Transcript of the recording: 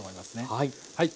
はい。